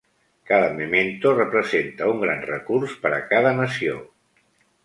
Cada memento representa un gran recurs per a cada nació.